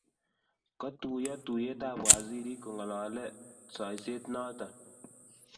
katuyio tuyietab wazirik ku ng'alale sosiet noto